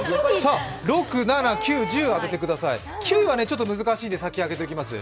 ６、７、９、１０、当ててください、９は難しいので、先に出しておきます。